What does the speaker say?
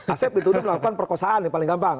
asep dituduh melakukan perkosaan yang paling gampang